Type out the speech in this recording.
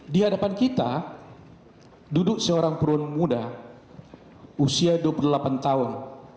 di hadapan kita duduk seorang perun muda usia dua puluh delapan tahun